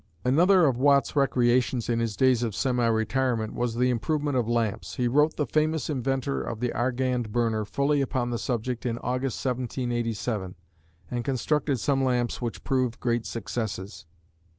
Another of Watt's recreations in his days of semi retirement was the improvement of lamps. He wrote the famous inventor of the Argand burner fully upon the subject in August, 1787, and constructed some lamps which proved great successes.